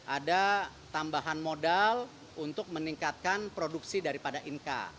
ada tambahan modal untuk meningkatkan produksi daripada inka